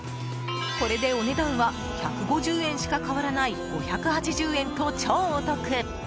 これでお値段は１５０円しか変わらない５８０円と超お得！